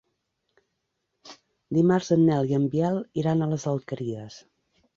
Dimarts en Nel i en Biel iran a les Alqueries.